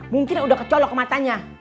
mungkin udah kecolok matanya